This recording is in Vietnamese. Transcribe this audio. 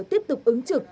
tiếp tục ứng trực